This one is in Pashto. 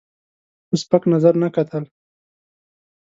په سپک نظر نه کتل.